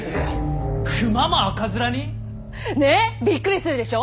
熊も赤面に！？ねえびっくりするでしょ。